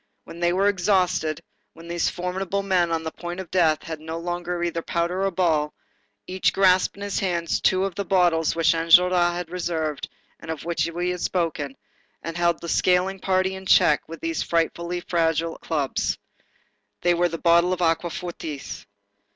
When they were exhausted, when these formidable men on the point of death had no longer either powder or ball, each grasped in his hands two of the bottles which Enjolras had reserved, and of which we have spoken, and held the scaling party in check with these frightfully fragile clubs. They were bottles of aquafortis.